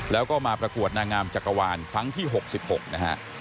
แล้วก็มาประกวดนางงามจักรวาลครั้งที่๖๖นะฮะ